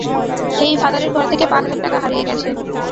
হেই, ফাদারের ঘর থেকে পাঁচ হাজার টাকা হারিয়ে গেছে।